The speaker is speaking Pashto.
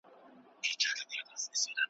خو د هغه پر سر هم ودرېد.